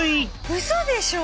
うそでしょ？